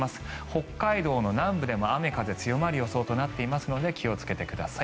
北海道の南部でも雨風強まる予想となっていますので気をつけてください。